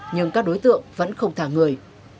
nhưng các đối tượng vẫn không thả người